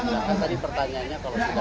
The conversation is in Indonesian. ya kan tadi pertanyaannya kalau setelah gatot